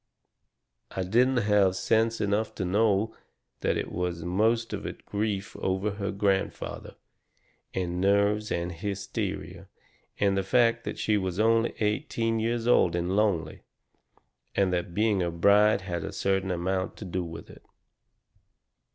"I didn't have sense enough to know that it was most of it grief over her grandfather, and nerves and hysteria, and the fact that she was only eighteen years old and lonely, and that being a bride had a certain amount to do with it.